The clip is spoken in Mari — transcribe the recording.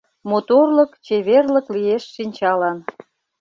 Моторлык, чеверлык лиеш шинчалан